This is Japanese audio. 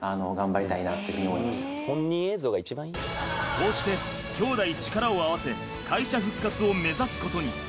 こうして兄弟力を合わせ会社復活を目指すことに。